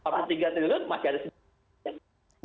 rp empat puluh tiga triliun masih ada rp seratus triliun